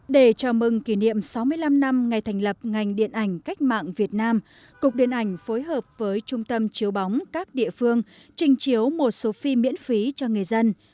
để chào mừng kỷ niệm sáu mươi năm năm ngày thành lập ngành điện ảnh cách mạng việt nam cục điện ảnh phối hợp với trung tâm chiếu bóng các địa phương trình chiếu một số phim miễn phí cho người dân